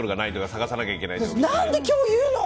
何で今日言うの！